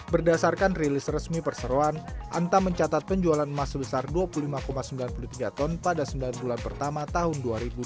berdasarkan rilis resmi perseroan antam mencatat penjualan emas sebesar dua puluh lima sembilan puluh tiga ton pada sembilan bulan pertama tahun dua ribu dua puluh